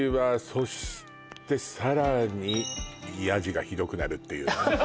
そしてさらにヤジがひどくなるっていうね